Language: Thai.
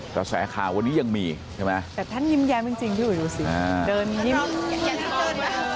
แต่แสขาววันนี้ยังมีใช่ไหมแต่ท่านยิ้มแย้มจริงพี่ดูสิอ่า